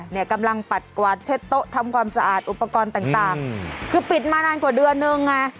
เนี่ยกำลังปัดกวาดเช็ดโต๊ะทำความสะอาดอุปกรณ์ต่างต่างคือปิดมานานกว่าเดือนนึงไง